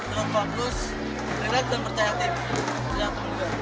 dengan fokus relaks dan percaya tim